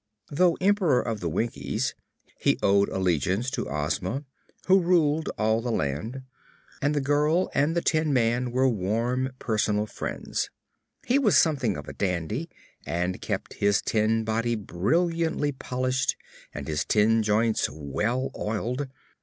Though Emperor of the Winkies, he owed allegiance to Ozma, who ruled all the land, and the girl and the tin man were warm personal friends. He was something of a dandy and kept his tin body brilliantly polished and his tin joints well oiled.